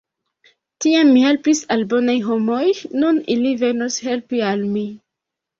Tiam mi helpis al bonaj homoj, nun ili venos helpi al mi!